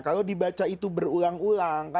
kalau dibaca itu berulang ulang